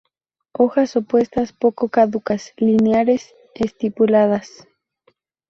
Hojas opuestas, poco caducas, lineares, estipuladas.